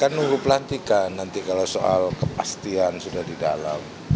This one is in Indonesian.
kan nunggu pelantikan nanti kalau soal kepastian sudah di dalam